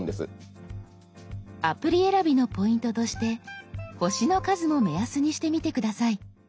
アプリ選びのポイントとして「星の数」も目安にしてみて下さい。